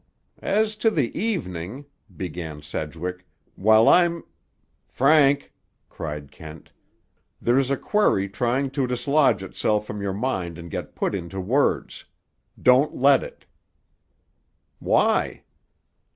"As to the evening," began Sedgwick, "while I'm—" "Frank," cried Kent, "there's a query trying to dislodge itself from your mind and get put into words. Don't let it!" "Why?"